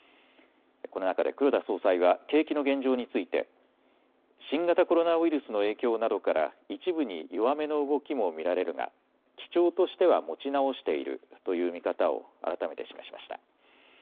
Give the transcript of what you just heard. この中で黒田総裁は景気の現状について新型コロナウイルスの影響などから一部に弱めの動きも見られるが基調としては持ち直しているという見方を改めて示しました。